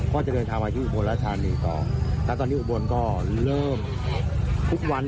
ก็จะเดินทางมาที่อุบลราชธานีต่อแล้วตอนนี้อุบลก็เริ่มทุกวัน